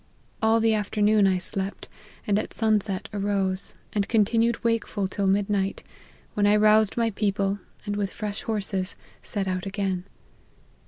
All the afternoon I slept, and at sun set arose, and continued wakeful till midnight, when I roused my people, and with fresh horses set out again.